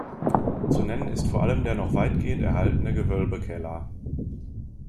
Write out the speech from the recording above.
Zu nennen ist vor allem der noch weitgehend erhaltene Gewölbekeller.